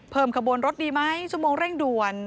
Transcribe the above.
ขบวนรถดีไหมชั่วโมงเร่งด่วน